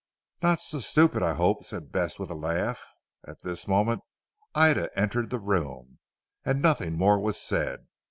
"Not so stupid I hope," said Bess with a laugh. At this moment Ida entered the room, and nothing more was said.